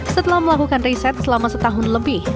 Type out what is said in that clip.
setelah melakukan riset selama setahun lebih